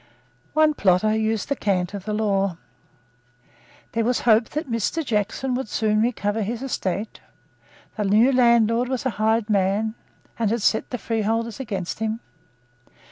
One plotter used the cant of the law. There was hope that Mr. Jackson would soon recover his estate. The new landlord was a hard man, and had set the freeholders against him.